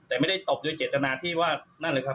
แต่ไม่ได้ตบโดยเจตนาที่ว่านั่นเลยครับ